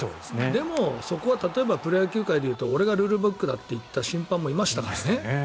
でも、例えばプロ野球界でいえば俺がルールブックだといった審判もいましたからね。